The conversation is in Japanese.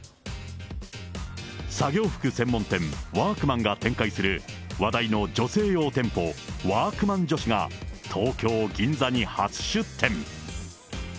作業服専門店、ワークマンが展開する、話題の女性用店舗、ワークマン女子が、東京・銀座に初出店。